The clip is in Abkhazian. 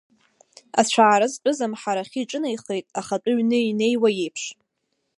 Ацәаара зтәыз амҳарахьы иҿынеихеит, ахатәы ҩны инеиуа иеиԥш.